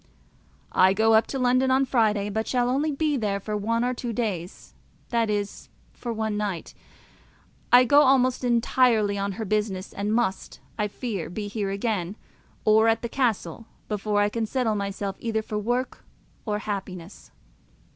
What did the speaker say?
I go up to London on Friday, but shall only be there for one or two days, that is, for one night. I go almost entirely on her business, and must, I fear, be here again, or at the castle, before I can settle myself either for work or happiness.